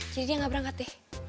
jadinya gak berangkat deh